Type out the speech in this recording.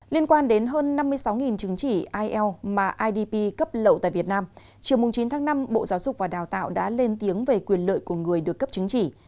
liên quan đến hơn năm mươi sáu chứng chỉ ielts mà idp cấp lậu tại việt nam chiều chín tháng năm bộ giáo dục và đào tạo đã lên tiếng về quyền lợi của người được cấp chứng chỉ